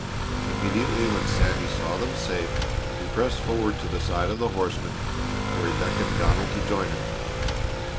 Immediately when Sandy saw them safe he pressed forward to the side of the horseman where he beckoned Donald to join him.